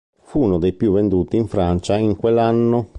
Fu uno dei più venduti in Francia in quell'anno.